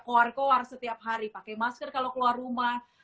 keluar keluar setiap hari pakai masker kalau keluar rumah